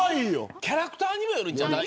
キャラクターにもよるんじゃない。